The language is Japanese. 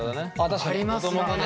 ありますね。